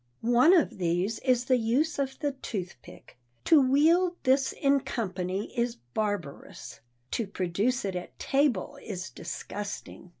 One of these is the use of the toothpick. To wield this in company is barbarous; to produce it at table is disgusting.